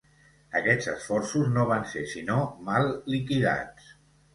Aquests esforços no van ser sinó mal liquidats.